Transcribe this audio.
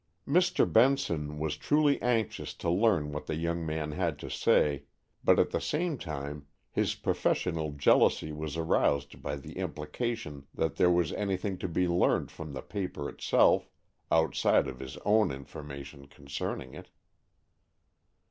Mr. Benson was truly anxious to learn what the young man had to say, but at the same time his professional jealousy was aroused by the implication that there was anything to be learned from the paper itself, outside of his own information concerning it.